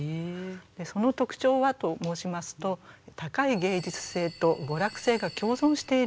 その特徴はと申しますと高い芸術性と娯楽性が共存しているということなんですね。